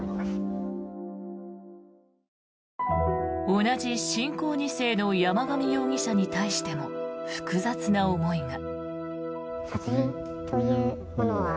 同じ信仰２世の山上容疑者に対しても複雑な思いが。